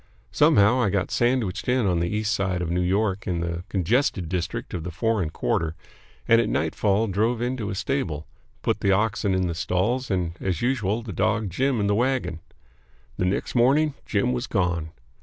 Somehow I got sandwiched in on the East Side of New York in the congested district of the foreign quarter and at nightfall drove into a stable, put the oxen in the stalls and, as usual, the dog Jim in the wagon. The next morning Jim was gone.